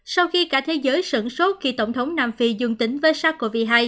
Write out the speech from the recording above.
sau khi cả thế giới sẩn sốt khi tổng thống nam phi dương tính với sars cov hai